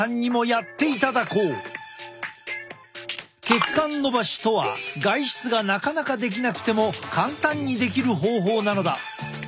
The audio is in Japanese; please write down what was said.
血管のばしとは外出がなかなかできなくても簡単にできる方法なのだ。